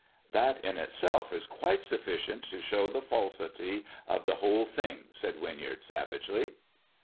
" That in itself is quite sufficient to show the falsity of the whole thing," said Winyard savagely.